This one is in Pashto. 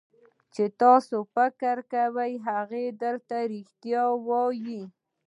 چې تاسو فکر کوئ هغه درته رښتیا وایي.